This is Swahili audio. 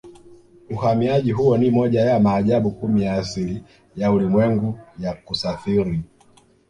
Uhamiaji huo ni moja ya maajabu kumi ya asili ya ulimwengu ya kusafiri